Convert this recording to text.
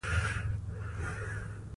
هوا د افغانانو د معیشت سرچینه ده.